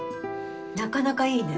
なかなかいいね。